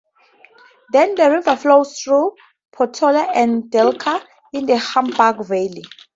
Then the river flows through Portola and Delleker in the Humbug Valley.